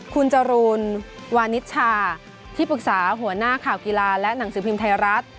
คุณจรูนวานิชชาที่ปรึกษาหัวหน้าข่าวกีฬาและหนังสือพิมพ์ไทยรัฐ